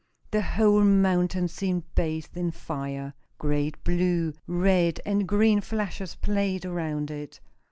The whole mountain seemed bathed in fire. Great blue, red and green flashes played around it.